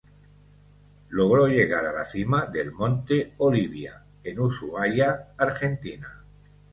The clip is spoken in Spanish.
Logró llegar a la cima del Monte Olivia, en Ushuaia, Argentina.